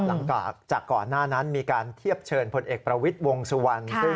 หลังจากก่อนหน้านั้นมีการเทียบเชิญพลเอกประวิทย์วงสุวรรณ